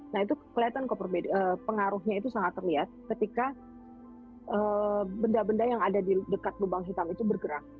nah itu kelihatan pengaruhnya itu sangat terlihat ketika benda benda yang ada dekat lubang hitam itu bergerak